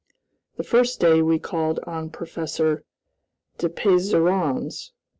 The first day we called on Professor Depesyrons.